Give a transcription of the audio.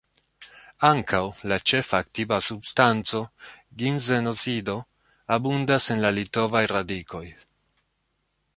Ankaŭ la ĉefa aktiva substanco, ginzenozido, abundas en la litovaj radikoj.